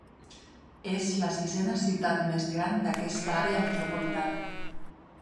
És la sisena ciutat més gran d'aquesta àrea metropolitana.